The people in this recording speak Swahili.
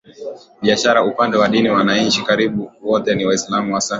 biashara Upande wa dini wananchi karibu wote ni Waislamu hasa